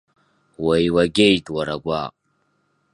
Уеилагеит, уара агәаҟ!